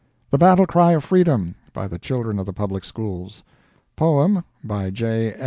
"The Battle Cry of Freedom," by the Children of the Public Schools. Poem, by J.